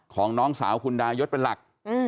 ของน้องสาวคุณดายศเป็นหลัก